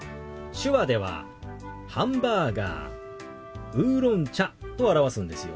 手話では「ハンバーガー」「ウーロン茶」と表すんですよ。